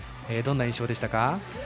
どんな印象でしたか？